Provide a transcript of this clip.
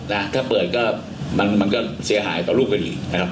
นะถ้าเปิดก็เตรียมเสียหายต่อรูปหนึ่งนะครับ